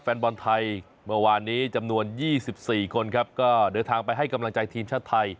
แฟนบอลไทยเมื่อวานนี้จำนวน๒๔คนครับก็เดินทางไปให้กำลังใจทีมชาติไทย